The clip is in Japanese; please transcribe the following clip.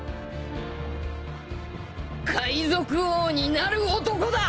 海賊王になる男だ！！